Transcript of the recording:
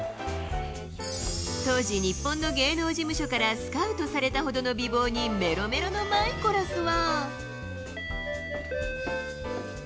当時、日本の芸能事務所からスカウトされたほどの美貌に、メロメロのマイコラスは。